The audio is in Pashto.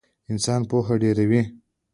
انسان پوهه ډېروي